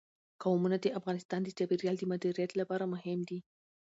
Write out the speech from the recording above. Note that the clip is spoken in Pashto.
قومونه د افغانستان د چاپیریال د مدیریت لپاره مهم دي.